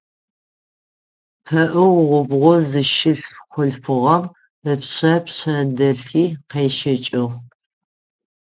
Пэӏо убгъу зыщыгъ хъулъфыгъэм ыпшъэ пшъэдэлъи къещэкӏыгъ.